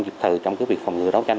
dịch thờ trong việc phòng ngừa đấu tranh